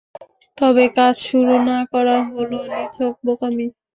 তবে কাজ শুরু না করা হল নিছক বোকামি।